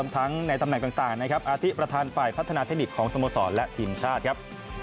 ทั้งในตำแหน่งต่างนะครับอาทิตประธานฝ่ายพัฒนาเทคนิคของสโมสรและทีมชาติครับ